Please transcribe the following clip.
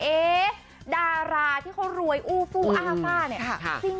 เอ๊ะดาราที่เขารวยอู่ฟู่อฮฟ่าเนี่ย